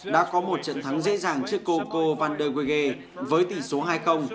đã có một trận thắng dễ dàng trước coco vandewege với tỷ số hai